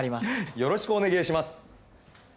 よろしくお願えします。